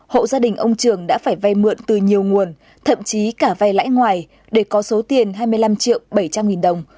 hộ gia đình ông trường đã phải vay mượn từ nhiều nguồn thậm chí cả vay lãi ngoài để có số tiền hai mươi năm triệu bảy trăm linh nghìn đồng